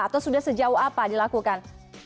atau sudah sejauh apa dilakukan